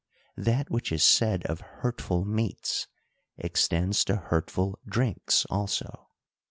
— That which is said of hurtful meats, extends to hurtful drinks also.